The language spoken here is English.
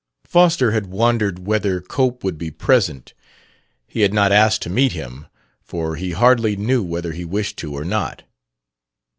Foster had wondered whether Cope would be present. He had not asked to meet him for he hardly knew whether he wished to or not.